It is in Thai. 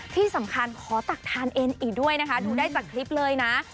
ที่สำคัญขอตักซึ่งอเอนด้วยดูได้จากคลิปเลยนะ